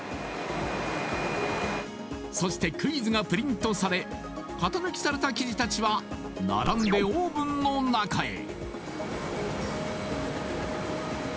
そしてクイズがプリントされ型抜きされた生地達は並んでオーブンの中へ５０℃！